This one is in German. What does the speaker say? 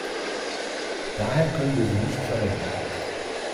Daher können wir sie nicht verwenden.